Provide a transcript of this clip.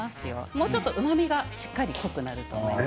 もうちょっと、うまみがしっかり濃くなります。